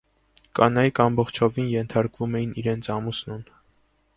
Կանայք ամբողջովին ենթարկվում էին իրենց ամուսնուն։